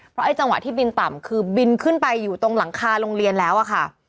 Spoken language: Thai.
เพราะไอ้จังหวะที่บินต่ำคือบินขึ้นไปอยู่ตรงหลังคาโรงเรียนแล้วอะค่ะ